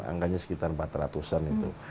angkanya sekitar empat ratus an itu